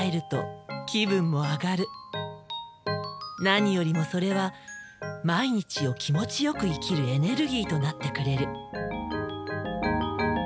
何よりもそれは毎日を気持ちよく生きるエネルギーとなってくれる。